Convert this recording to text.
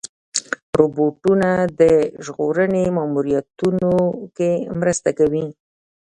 روبوټونه د ژغورنې ماموریتونو کې مرسته کوي.